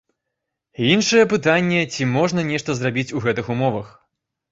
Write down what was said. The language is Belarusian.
Іншае пытанне, ці можна нешта зрабіць у гэтых умовах.